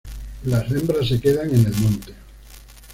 Las hembras se quedan en el monte.